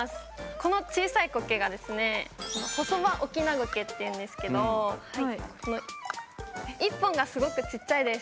この小さいコケがですねホソバオキナゴケっていうんですけど１本がすごくちっちゃいです。